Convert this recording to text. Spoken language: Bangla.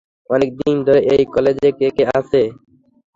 অনেক দিন ধরে এই কলেজে কে কে আছে?